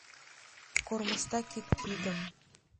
Кормыжта кид кидым